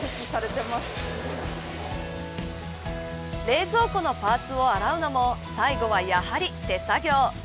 冷蔵庫のパーツを洗うのも最後は、やはり手作業。